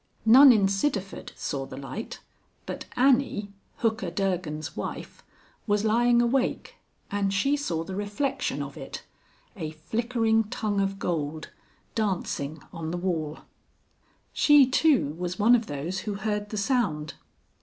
None in Sidderford saw the light, but Annie, Hooker Durgan's wife, was lying awake, and she saw the reflection of it a flickering tongue of gold dancing on the wall. She, too, was one of those who heard the sound.